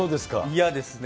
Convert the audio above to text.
嫌ですね。